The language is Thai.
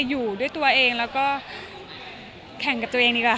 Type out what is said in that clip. อยู่ด้วยตัวเองแล้วก็แข่งกับตัวเองดีกว่า